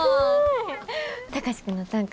貴司君の短歌